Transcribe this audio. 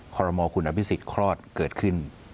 ขอรมอคุณอภิษฎคลอดเกิดขึ้น